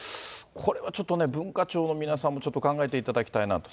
これはちょっとね、文化庁の皆さんもちょっと考えていただきたいなと。